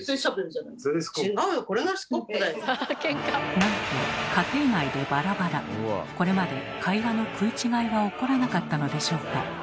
なんとこれまで会話の食い違いは起こらなかったのでしょうか？